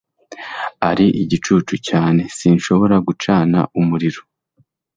ari igicucu cyane ... sinshobora gucana umuriro